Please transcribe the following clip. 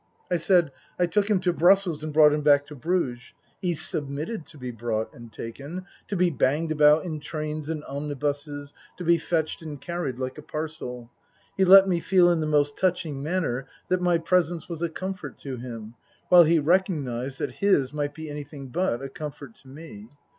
I said I took him to Brussels and brought him back to Bruges. He submitted to be brought and taken ; to be banged about in trains and omnibuses, to be fetched and carried like a parcel. He let me feel in the most touching manner that my presence was a comfort to him, while he recognized that his might be anything but a comfort to me.